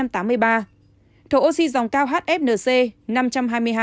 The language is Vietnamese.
thổ oxy dòng cao hfnc năm trăm hai mươi hai